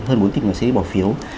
hơn bốn tỷ người sẽ đi bỏ phiếu